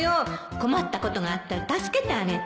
困ったことがあったら助けてあげて